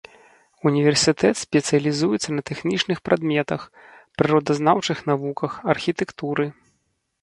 Універсітэт спецыялізуецца на тэхнічных прадметах, прыродазнаўчых навуках, архітэктуры.